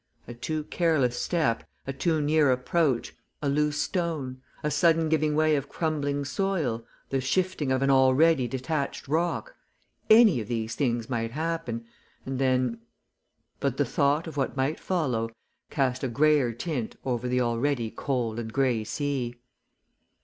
A too careless step, a too near approach, a loose stone, a sudden giving way of crumbling soil, the shifting of an already detached rock any of these things might happen, and then but the thought of what might follow cast a greyer tint over the already cold and grey sea.